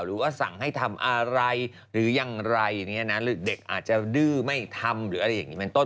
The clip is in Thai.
หรือว่าสั่งให้ทำอะไรหรืออย่างไรเนี่ยนะหรือเด็กอาจจะดื้อไม่ทำหรืออะไรอย่างนี้เป็นต้น